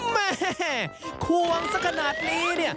แม่ควงสักขนาดนี้